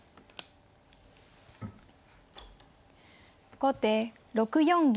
後手６四銀。